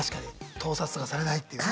盗撮とかされないっていうね。